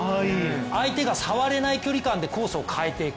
相手が触れない距離感でコースを変えていく。